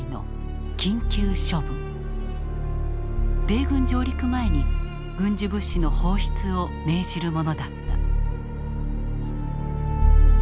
米軍上陸前に軍需物資の放出を命じるものだった。